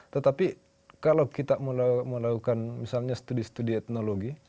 tetapi kalau kita melakukan misalnya studi studi teknologi